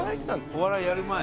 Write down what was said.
お笑いやる前。